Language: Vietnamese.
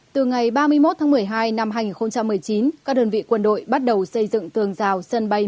từ ngày ba mươi một tháng một mươi hai năm hai nghìn một mươi chín các đơn vị quân đội bắt đầu xây dựng tường rào sân bay